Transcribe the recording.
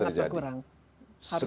sekarang sudah sangat berkurang